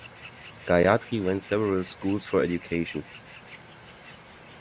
Gayathri went several schools for education.